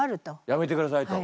やめてくださいと。